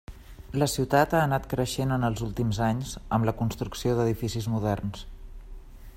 La ciutat ha anat creixent en els últims anys, amb la construcció d'edificis moderns.